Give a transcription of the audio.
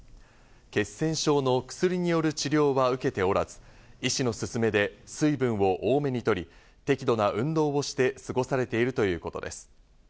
血栓症の薬による治療は受けておらず、医師の勧めで水分を多めにとり、適度な運動をして過ごされているということです。